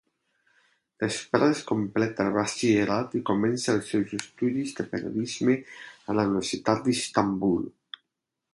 Després completa el batxillerat i comença els seus estudis de periodisme a la Universitat d'Istanbul.